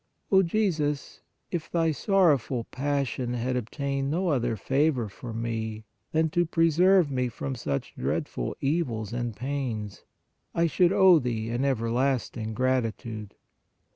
O Jesus, if Thy sorrowful passion had obtained no other favor for me than to preserve me from such dreadful evils and pains, I should owe Thee an everlasting gratitude.